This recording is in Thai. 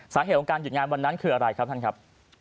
สาเหตุของการหยุดงานวันนั้นคืออะไรครับท่านครับ